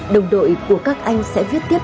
đồng đội của các anh sẽ viết tiếp